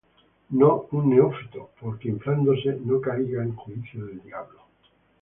No un neófito, porque inflándose no caiga en juicio del diablo.